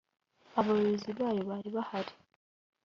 abayobozi bayo bari bahari